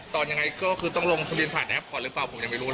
ยังไงก็คือต้องลงทะเบียนผ่านแอปพอร์ตหรือเปล่าผมยังไม่รู้เลย